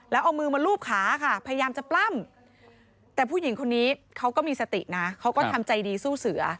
แล้วเอามือมาลูบขาค่ะพยายามจะปล้ำแต่ผู้หญิงคนนี้เขาก็มีสตินะเขาก็ทำใจดีสู้เสือ